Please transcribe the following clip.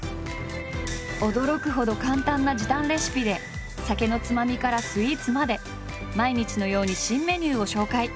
驚くほど簡単な時短レシピで酒のつまみからスイーツまで毎日のように新メニューを紹介。